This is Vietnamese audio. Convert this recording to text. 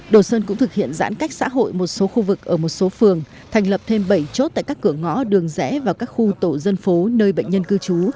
đồ sơn cũng thực hiện giãn cách xã hội một số khu vực ở một số phường thành lập thêm bảy chốt tại các cửa ngõ đường rẽ và các khu tổ dân phố nơi bệnh nhân cư trú